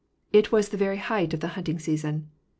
It was the very height of the hunting season.